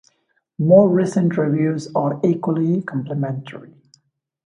More recent reviews are equally complimentary.